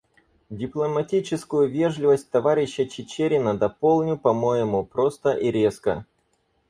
Дипломатическую вежливость товарища Чичерина дополню по-моему — просто и резко.